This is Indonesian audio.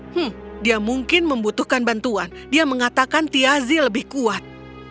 hmm dia mungkin membutuhkan bantuan dia mengatakan tiazi lebih kuat